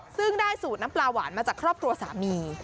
ซึ่งได้สูตรน้ำปลาหวานมาจากครอบครัวสามี